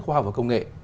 khoa học và công nghệ